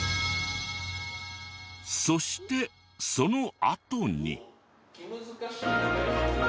そしてそのあとに。